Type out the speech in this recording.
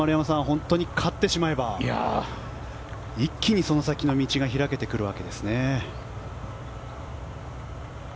本当に勝ってしまえば一気にその先の道が開けてくるわけですね。